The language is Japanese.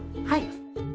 はい。